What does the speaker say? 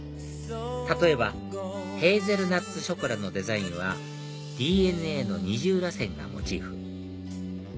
例えばヘーゼルナッツショコラのデザインはＤＮＡの二重らせんがモチーフ